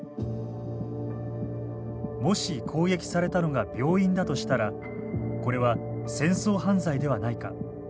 もし攻撃されたのが病院だとしたらこれは戦争犯罪ではないか。